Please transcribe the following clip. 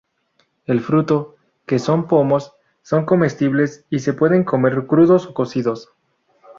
El fruto, que son pomos, son comestibles y se pueden comer crudos o cocidos.